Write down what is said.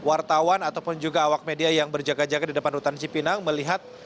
wartawan ataupun juga awak media yang berjaga jaga di depan rutan cipinang melihat